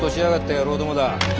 野郎どもだ。